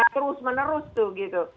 terus menerus tuh gitu